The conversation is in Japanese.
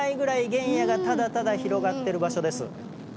原野がただただ広がってる場所です。